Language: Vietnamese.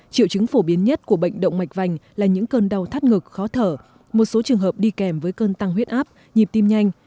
triệu chứng phổ biến nhất của bệnh động mạch vành là những cơn đau thắt ngực khó thở một số trường hợp đi kèm với cơn tăng huyết áp nhịp tim nhanh